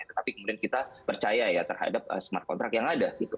tetapi kemudian kita percaya ya terhadap smart contract yang ada gitu